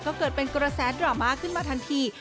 ก็เกิดเป็นกระแสดราม่าขึ้นมาทันที